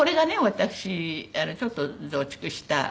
私ちょっと増築した。